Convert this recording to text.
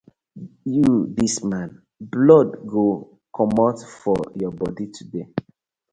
Yu dis man, blood go must komot for yah bodi today.